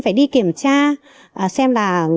phải đi kiểm tra xem là